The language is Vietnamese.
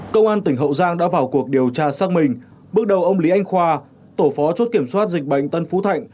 công an tỉnh hậu giang đã vào cuộc điều tra xác minh bước đầu ông lý anh khoa tổ phó chốt kiểm soát dịch bệnh tân phú thạnh